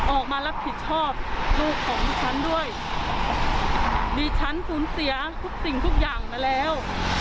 ออกมารับผิดชอบลูกของดิฉันด้วยดิฉันสูญเสียทุกสิ่งทุกอย่างมาแล้ว